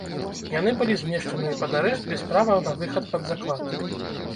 Яны былі змешчаныя пад арышт без права на выхад пад заклад.